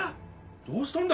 どうしたんだ？